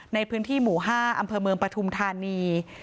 ในพื้นที่หมู่๕อำเภอเมืองปฐุมธานี